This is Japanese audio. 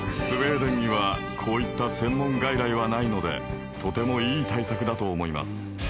スウェーデンにはこういった専門外来はないのでとてもいい対策だと思います。